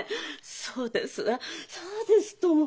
そうですわそうですとも！